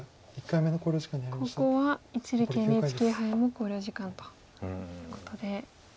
ここは一力ＮＨＫ杯も考慮時間ということで。